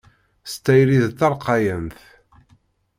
S tayri d talqayant.